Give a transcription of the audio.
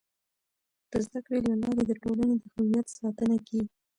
د زده کړې له لارې د ټولنې د هویت ساتنه کيږي.